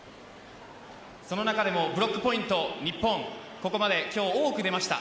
その中でもブロックポイント、日本ここまで今日、多く出ました。